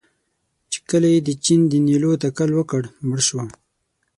چې کله یې د چین د نیولو تکل وکړ، مړ شو.